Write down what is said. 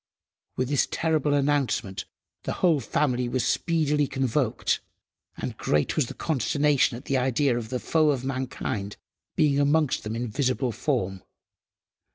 With this terrible announcement the whole family were speedily convoked, and great was the consternation at the idea of the foe of mankind being amongst them in visible form.